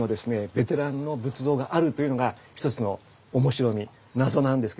ベテランの仏像があるというのが一つの面白み謎なんですけれども。